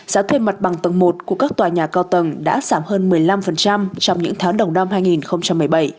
giá thuê mặt bằng tầng một của các tòa nhà cao tầng đã giảm hơn một mươi năm trong những tháng đầu năm hai nghìn một mươi bảy